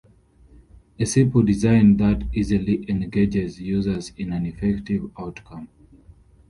A simple design that easily engages users is an effective outcome.